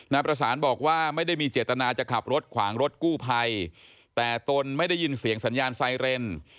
นายประสานบอกว่าไม่ได้มีเจตนาจะขับรถขวางรถกู้ภัยแต่ตนไม่ได้ยินเสียงสัญญาณไซเรน